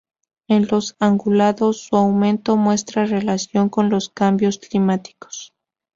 En los ungulados, su aumento muestra relación con los cambios climáticos.